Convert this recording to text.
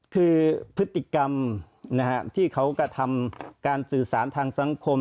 คือพฤติกรรมที่เขากระทำการสื่อสารทางสังคม